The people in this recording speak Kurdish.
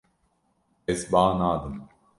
Ez ba nadim.